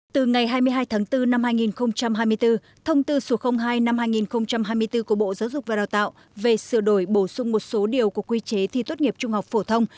từ ngày hai mươi hai tháng bốn năm hai nghìn hai mươi bốn thông tư số hai năm hai nghìn hai mươi bốn của bộ giáo dục và đào tạo về sửa đổi bổ sung một số điều của quy chế thi tốt nghiệp trung học phổ thông